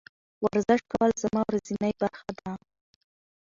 ورزش کول زما ورځنۍ برخه ده.